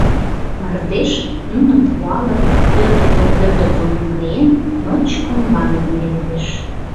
Мардеж, нуным пуалын, пӧрдыктыл-пӧрдыктыл наҥгаен, ночко мландым леведеш.